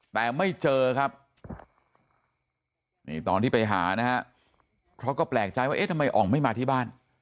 แต่ไม่เจอครับนี่ตอนที่ไปหานะฮะเพราะก็แปลกใจว่าเอ๊ะทำไมอ่องไม่มาที่บ้าน